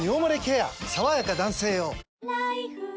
さわやか男性用」